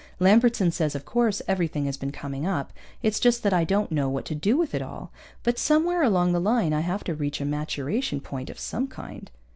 Lambertson says of course everything has been coming in, it's just that I don't know what to do with it all. But somewhere along the line I have to reach a maturation point of some kind.